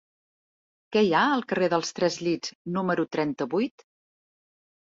Què hi ha al carrer dels Tres Llits número trenta-vuit?